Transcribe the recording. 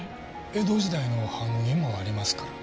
江戸時代の版木もありますから。